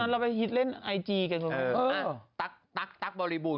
น้องกิ๊บเทอรี่น้องวายมีตังค์มากมายไม่ยอมเรียกกัน